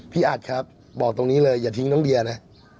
อัดครับบอกตรงนี้เลยอย่าทิ้งน้องเบียร์นะ